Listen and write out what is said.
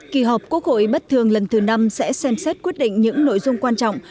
kỳ họp quốc hội bất thường lần thứ năm sẽ xem xét quyết định những nội dung quan trọng